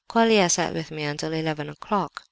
Colia sat with me until eleven o'clock.